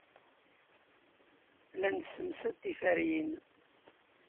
La nessemsad tiferyin.